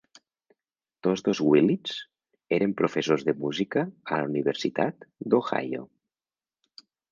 Tots dos Willits eren professors de música a la Universitat d'Ohio.